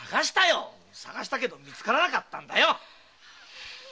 捜したけどみつからなかったんだよ！